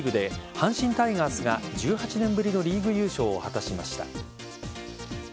阪神タイガースが１８年ぶりのリーグ優勝を果たしました。